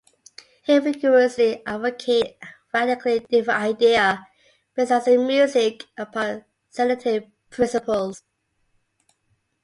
He vigorously advocated a radically different idea, based as in music, upon synthetic principles.